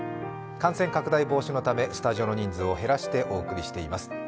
感染拡大防止のためスタジオの人数を減らしてお伝えしています。